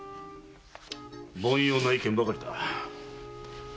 凡庸な意見ばかりだ。